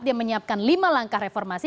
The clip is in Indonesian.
dia menyiapkan lima langkah reformasi